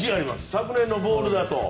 昨年のボールだと。